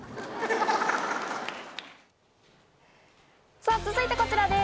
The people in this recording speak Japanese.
さぁ続いてこちらです。